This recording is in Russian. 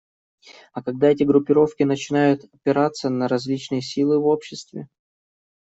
А когда эти группировки начинают опираться на различные силы в обществе?